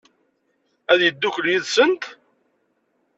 Ad yeddukel yid-sent?